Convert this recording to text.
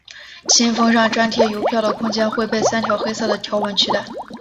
信封上张贴邮票的空间会被三条黑色的条纹取代。